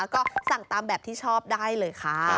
ก็สั่งตามแบบที่ชอบได้เลยค่ะ